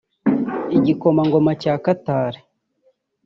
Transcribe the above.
Igikomangoma cya Qatar